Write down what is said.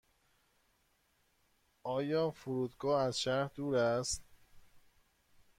آیا فرودگاه از شهر دور است؟